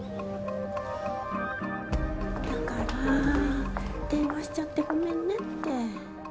だから電話しちゃってごめんねって。